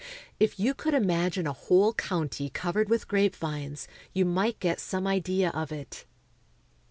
If you could imagine a whole county covered with grapevines, you might get some idea of it.